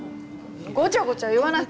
ごちゃごちゃ言わない。